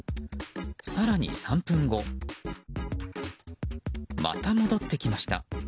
更に３分後、また戻ってきました。